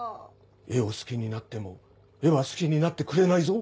絵を好きになっても絵は好きになってくれないぞ。